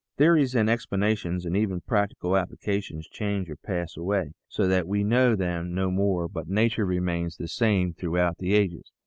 Theories and explanations and even practical applications change or pass away, so that we know them no more, but nature remains the same throughout the ages.